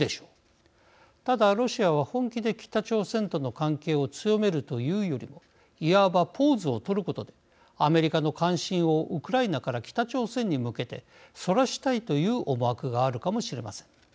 ただロシアは本気で北朝鮮との関係を強めるというよりもいわばポーズを取ることでアメリカの関心をウクライナから北朝鮮に向けてそらしたいという思惑があるかもしれません。